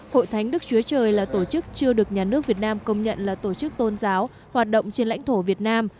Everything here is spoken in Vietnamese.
hội thánh đức chúa trời là tổ chức chưa được nhà nước việt nam công nhận là tổ chức tôn giáo hoạt động trên lãnh thổ việt nam